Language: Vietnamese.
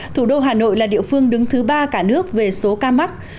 thủ đô hà nội là địa phương đứng thứ ba cả nước về số ca mắc